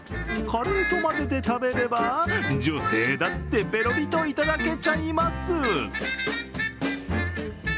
カレーと混ぜて食べれば女性だってぺろりといただけちゃいます。